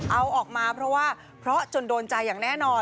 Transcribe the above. เอาออกมาเพราะว่าเพราะจนโดนใจอย่างแน่นอน